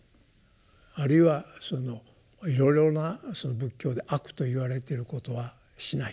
あるいはいろいろな仏教で悪と言われてることはしないと。